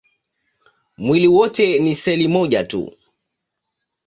Mwili wote ni seli moja tu.